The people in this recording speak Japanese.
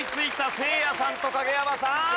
せいやさんと影山さん！